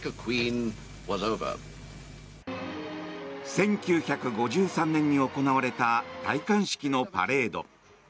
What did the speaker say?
１９５３年に行われた戴冠式のパレード。